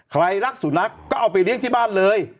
ใครรักสุนัขก็เอาไปเลี้ยงที่บ้านเลย